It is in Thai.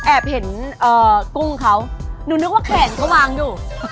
เห็นกุ้งเขาหนูนึกว่าแขนเขาวางอยู่